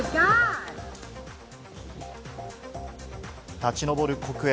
立ち上る黒煙。